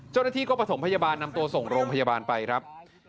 เจ้าหน้าที่ก็ประถมพยาบาลนำตัวส่งโรงพยาบาลไปครับ